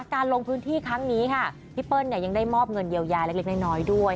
การลงพื้นที่ครั้งนี้ค่ะพี่เปิ้ลยังได้มอบเงินเยียวยาเล็กน้อยด้วย